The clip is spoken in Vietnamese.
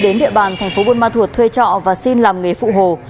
đến địa bàn thành phố buôn ma thuột thuê trọ và xin làm nghề phụ hồ